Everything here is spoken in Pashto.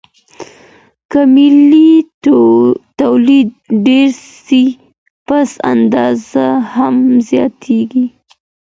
که ملي توليد ډېر سي پس انداز هم زياتيږي.